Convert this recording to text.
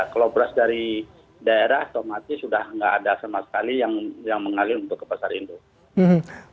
kalau beras dari daerah otomatis sudah tidak ada sama sekali yang mengalir untuk ke pasar induk